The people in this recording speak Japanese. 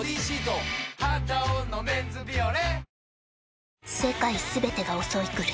「肌男のメンズビオレ」